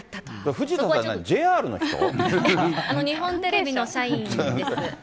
藤田さん、日本テレビの社員です。